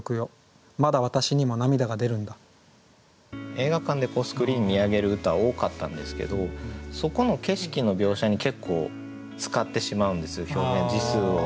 映画館でスクリーン見上げる歌多かったんですけどそこの景色の描写に結構使ってしまうんです表現字数を。